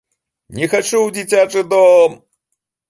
Не хачу ў дзіцячы дом!